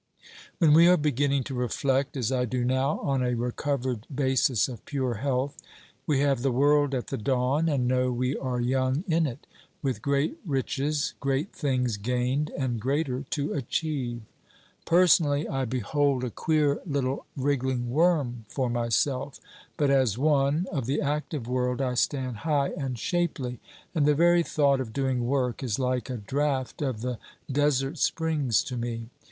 When we are beginning to reflect, as I do now, on a recovered basis of pure health, we have the world at the dawn and know we are young in it, with great riches, great things gained and greater to achieve. Personally I behold a queer little wriggling worm for myself; but as one, of the active world I stand high and shapely; and the very thought of doing work, is like a draught of the desert springs to me.